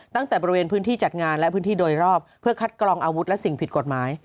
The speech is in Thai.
ตั้งแต่บริเวณพื้นที่จัดงานและพื้นที่โดยรอบเพื่อคัดกรองอาวุธและสิ่งผิดกฎหมาย